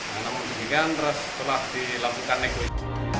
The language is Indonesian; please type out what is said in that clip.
namun kemudian telah dilakukan negosiasi